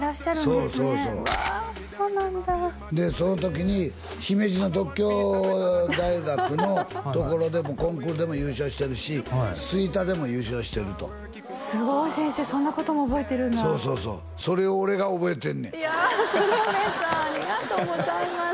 そうそうそうわそうなんだでその時に姫路の獨協大学の所でコンクールでも優勝してるし吹田でも優勝してるとすごい先生そんなことも覚えてるんだそうそうそうそれを俺が覚えてんねんいや鶴瓶さんありがとうございます